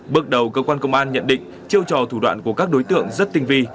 bước đầu cơ quan công an nhận định chiêu trò thủ đoạn của các đối tượng rất tinh vi